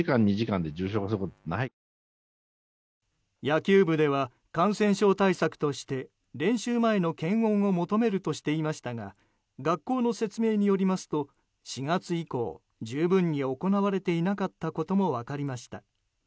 野球部では感染症対策として練習前の検温を求めるとしていましたが学校の説明によりますと４月以降十分に行われていなかったことも分かりました。